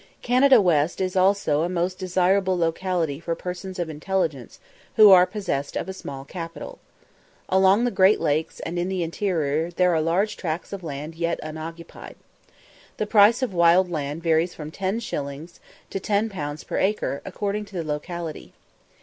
Canada West is also a most desirable locality for persons of intelligence who are possessed of a small capital. Along the great lakes and in the interior there are large tracts of land yet unoccupied. The price of wild land varies from 10_s._ to 10_l._ per acre, according to the locality.